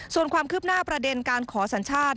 ส่วนความคืบหน้าประเด็นการขอสัญชาติ